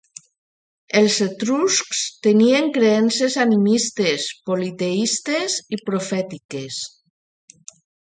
Els etruscs tenien creences animistes, politeistes i profètiques.